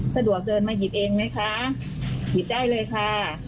สะดวกเกินมาหยิบเองไหมคะหยิบได้เลยค่ะ